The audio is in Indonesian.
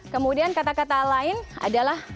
kemudian kata kata lain adalah